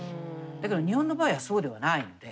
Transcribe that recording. だけど日本の場合はそうではないので。